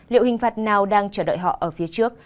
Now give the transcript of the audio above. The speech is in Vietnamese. liệu hình phạt nào đang chờ đợi họ ở phía trước